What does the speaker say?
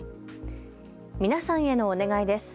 皆さんへのお願いです。